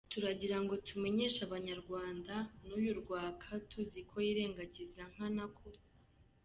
Turagira ngo tumenyeshe abanyarwanda n’uyu Rwaka tuzi ko yirengagiza nkana ko :